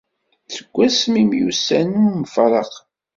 Seg wasmi i myussanen ur mfaraqen.